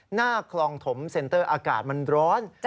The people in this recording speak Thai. หน้าคลองถมเซ็นเตอร์อากาศมันร้อน